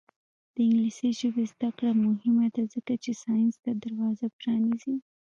د انګلیسي ژبې زده کړه مهمه ده ځکه چې ساینس ته دروازه پرانیزي.